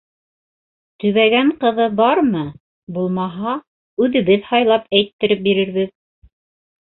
Төбәгән ҡыҙы бармы, булмаһа, үҙебеҙ һайлап әйттереп бирербеҙ.